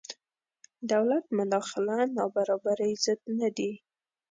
دولت مداخله نابرابرۍ ضد نه دی.